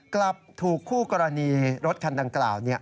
กลับถูกคู่กรณีรถคันดังกล่าว